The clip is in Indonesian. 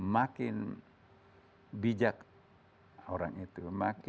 makin bijak orang itu